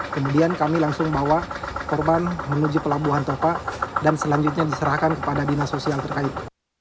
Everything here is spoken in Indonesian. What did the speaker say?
kemudian kami langsung bawa korban menuju pelabuhan topak dan selanjutnya diserahkan kepada dinas sosial terkait